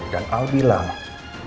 dan al bilang